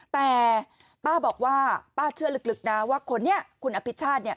แต่ป้าบอกว่าป้าเชื่อลึกนะว่าคนนี้คุณอภิชาติเนี่ย